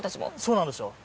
そうなんですよ。